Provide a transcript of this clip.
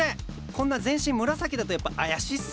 こんな全身紫だとやっぱ妖しいっすよね。